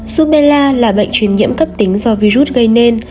sôbella là bệnh truyền nhiễm cấp tính do virus gây nên